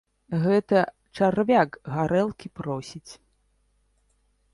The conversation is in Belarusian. Гэта чарвяк гарэлкі просіць.